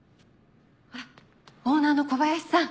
ほらオーナーの小林さん。